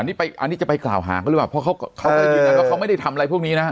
อันนี้ไปอันนี้จะไปกล่าวหางก็เลยหรือเปล่าเพราะเขาเขาไม่ได้ทำอะไรพวกนี้นะ